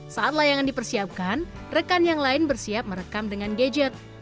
saat layangan dipersiapkan rekan yang lain bersiap merekam dengan gadget